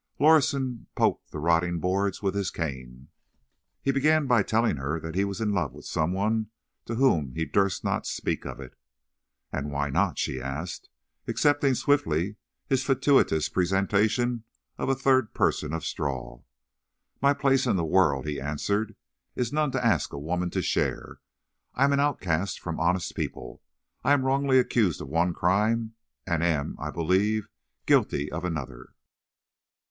Lorison poked the rotting boards with his cane. He began by telling her that he was in love with some one to whom he durst not speak of it. "And why not?" she asked, accepting swiftly his fatuous presentation of a third person of straw. "My place in the world," he answered, "is none to ask a woman to share. I am an outcast from honest people; I am wrongly accused of one crime, and am, I believe, guilty of another."